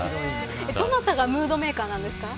どなたがムードメーカーなんですか。